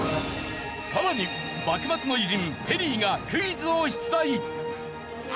さらに幕末の偉人ペリーがクイズを出題。